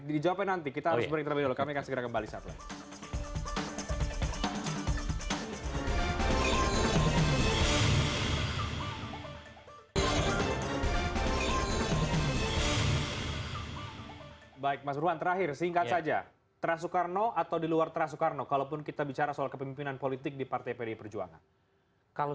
dijawabin nanti kita harus berinterview dulu